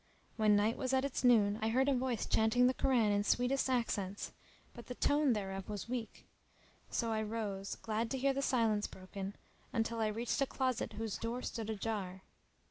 When night was at its noon I heard a voice chanting the Koran in sweetest accents; but the tone thereof was weak; so I rose, glad to hear the silence broken, and followed the sound until I reached a closet whose door stood ajar.